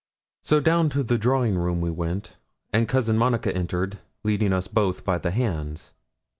So down to the drawing room we went; and Cousin Monica entered, leading us both by the hands.